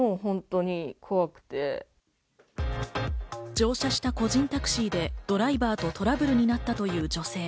乗車した個人タクシーでドライバーとトラブルになったという女性。